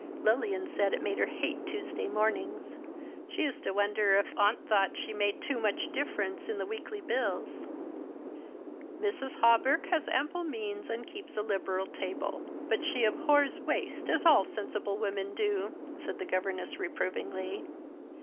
Lilian said it made her hate Tuesday mornings. She used to wonder if aunt thought she made too much difterence in the weekly bills." " Mrs. Hawberk has ample means, and keeps a liberal table ; but she abhors waste, as all sensible w(unen do," said the governess, reprovingly.